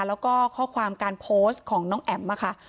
แล้วก็ข้อความการโพสต์ของน้องแอ๋มนะคะ